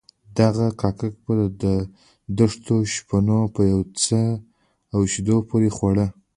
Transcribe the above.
دغه کاک به د دښتو شپنو په پوڅه او شيدو پورې خوړ.